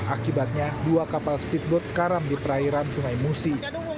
akibatnya dua kapal speedboat karam di perairan sungai musi